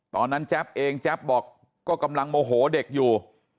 ตอนนั้นแจ๊ปเองแจ๊ปบอกก็กำลังโมโหเด็กอยู่